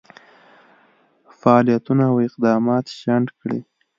فعالیتونه او اقدامات شنډ کړي.